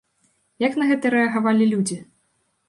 Як на гэта рэагавалі людзі?